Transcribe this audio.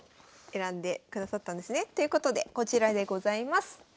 選んでくださったんですね。ということでこちらでございます。